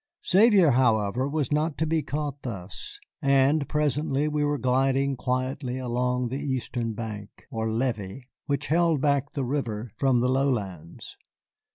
Xavier, however, was not to be caught thus, and presently we were gliding quietly along the eastern bank, or levee, which held back the river from the lowlands.